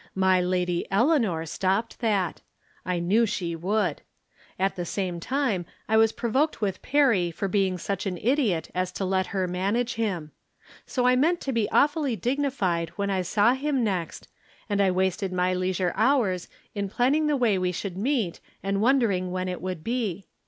My Lady Eleanor stopped that. I knew she would. At the same time I was provoked with Perry for being such an idiot as to let her manage him. So I meant to be awfully dignified when I saw Mm next, and I wasted laj leisure hours in plan ning the way we shoidd meet and wondering when it would be.